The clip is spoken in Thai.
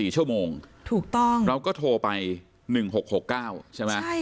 ๔ชั่วโมงถูกต้องเราก็โทรไป๑๖๖๙ใช่ไหม